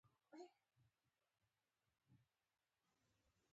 مې یو څلی ولید، سړک ته را پورته شوم.